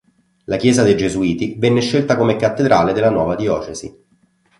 La chiesa dei Gesuiti venne scelta come cattedrale della nuova diocesi.